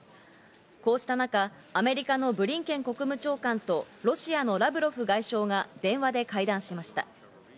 こうした中、アメリカのブリンケン国務長官とロシアのラブロフ外相が電話で会談しました。